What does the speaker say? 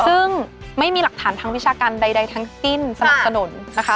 ซึ่งไม่มีหลักฐานทางวิชาการใดทั้งสิ้นสนับสนุนนะคะ